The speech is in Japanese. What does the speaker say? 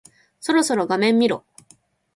そろそろ画面見ろ。